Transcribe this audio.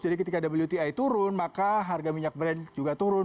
jadi ketika wti turun maka harga minyak brand juga turun